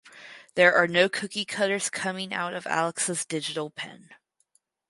There are no cookie cutters coming out of Alex’s digital pen!